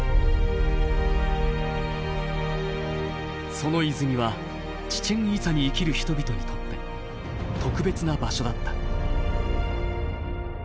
その泉はチチェン・イツァに生きる人々にとって特別な場所だった。